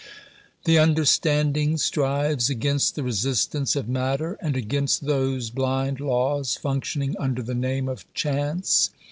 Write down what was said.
The understanding strives against the resistance of matter, and against those blind laws functioning under the name of chance.